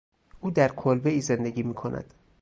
او در کلبهای زندگی میکند.